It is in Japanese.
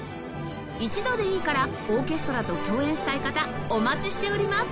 一度でいいからオーケストラと共演したい方お待ちしております